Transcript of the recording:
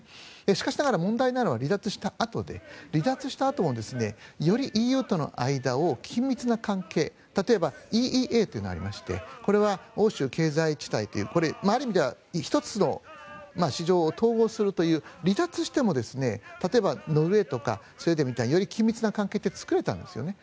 しかしながら問題なのは離脱したあとで離脱したあともよりＥＵとの間を緊密な関係、例えばＥＥＡというのがありましてこれは欧州経済地帯というある意味では１つに市場を統合するという離脱しても例えばノルウェーとかスウェーデンみたいにより緊密な関係って作れたんですよね。